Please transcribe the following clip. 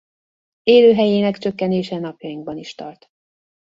Élőhelyének csökkenése napjainkban is tart.